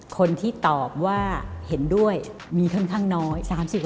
คนที่ตอบว่าเห็นด้วยมีค่อนข้างน้อย๓๐